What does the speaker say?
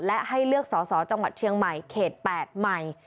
และให้เลือกสสจมเชียงใหม่เขต๘ใหม่